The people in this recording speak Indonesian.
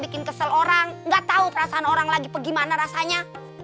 bikin kesel orang gak tau perasaan orang lagi gimana rasanya